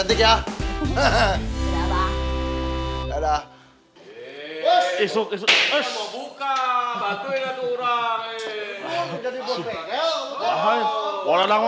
neng bisa jauh sekolah dulu ya